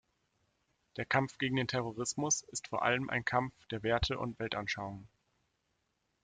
Der Kampf gegen den Terrorismus ist vor allem ein Kampf der Werte und Weltanschauungen.